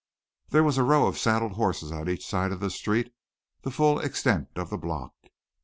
There was a row of saddled horses on each side of the street, the full extent of the block.